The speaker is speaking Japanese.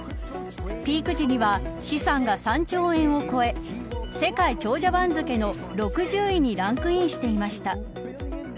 ピーク時には資産が３兆円を超え世界長者番付の６０位にランクインしていました。